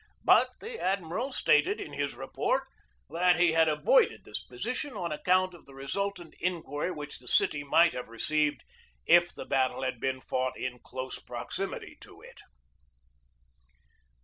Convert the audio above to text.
But the admiral stated in his report that he had avoided this position on ac count of the resultant injury which the city might have received if the battle had been fought in close proximity to it.